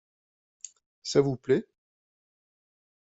Ça vous plait ?